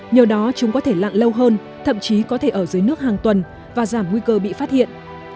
nhờ đó chúng có thể lặn lâu hơn thậm chí có thể ở dưới nước hàng tuần và giảm nguy cơ bị phát hiện